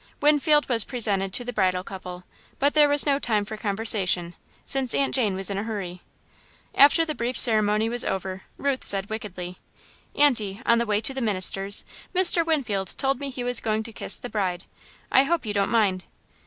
Winfield was presented to the bridal couple, but there was no time for conversation, since Aunt Jane was in a hurry. After the brief ceremony was over, Ruth said wickedly: "Aunty, on the way to the minister's, Mr. Winfield told me he was going to kiss the bride. I hope you don't mind?"